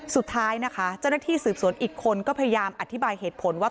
สุดท้ายนะคะเจ้าหน้าที่สืบสวนอีกคนก็พยายามอธิบายเหตุผลว่า